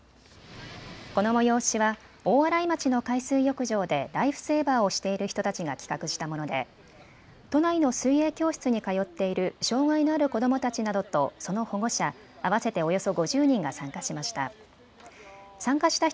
この催しは大洗町の海水浴場でライフセーバーをしている人たちが企画したもので都内の水泳教室に通っている障害のある子どもたちなどとその保護者合わせておよそ５０人が参加しました。